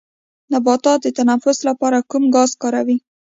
نباتات د تنفس لپاره کوم ګاز کاروي